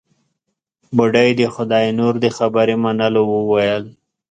بوډۍ د خداينور د خبرې منلو وويل.